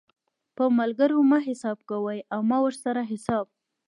په ملګرو مه حساب کوئ او مه ورسره حساب